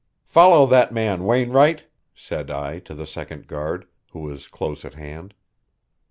"Follow that man, Wainwright," said I to the second guard, who was close at hand.